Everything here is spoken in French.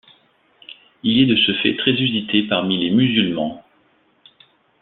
Il est de ce fait très usité parmi les musulmans.